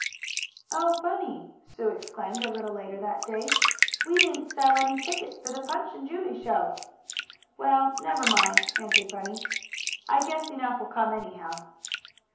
"Oh, Bunny!" Sue exclaimed a little later that day, "we didn't sell any tickets for the Punch and Judy show." "Well, never mind," answered Bunny. "I guess enough will come anyhow."